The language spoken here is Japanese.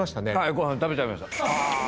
ご飯食べちゃいました。